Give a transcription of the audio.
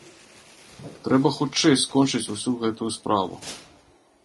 Трэба хутчэй скончыць усю гэтую справу.